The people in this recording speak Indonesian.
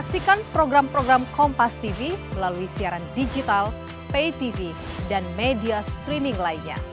kompas tv melalui siaran digital pay tv dan media streaming lainnya